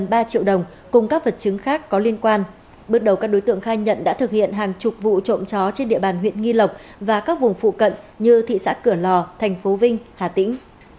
bước đầu các đối tượng khai nhận đã thực hiện hàng chục vụ trộm chó trên địa bàn huyện nghi lộc và các vùng phụ cận như thị xã cửa lò thành phố vinh hà tĩnh